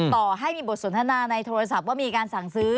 ต่อให้มีบทสนทนาในโทรศัพท์ว่ามีการสั่งซื้อ